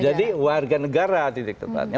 jadi warga negara titik tepatnya